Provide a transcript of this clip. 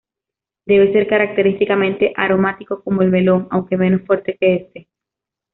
Debe ser característicamente aromático como el melón, aunque menos fuerte que este.